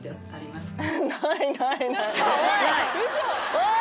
おい！